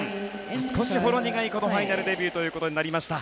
少しほろ苦いファイナルデビューとなりました。